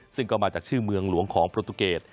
ซึ่งก็มาจากชื่อเมืองหลวงของโปรตูเกต